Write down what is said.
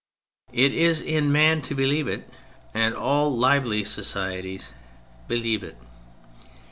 It is in man to believe it — and all lively societies believe it.